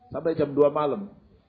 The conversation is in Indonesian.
sampai jam dua malam